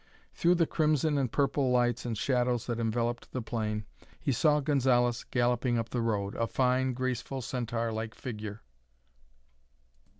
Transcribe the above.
Through the crimson and purple lights and shadows that enveloped the plain he saw Gonzalez galloping up the road, a fine, graceful, centaur like figure.